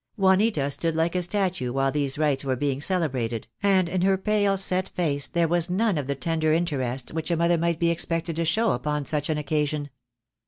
Juanita stood like a statue while these rites were being celebrated, and in her pale set face there was none of the tender interest which a mother might be expected to show upon such an occasion.